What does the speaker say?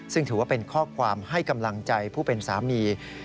ซึ่งถือว่าเป็นข้อความให้กำลังใจผู้เป็นสามี